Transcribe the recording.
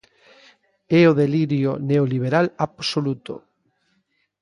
É o delirio neoliberal absoluto.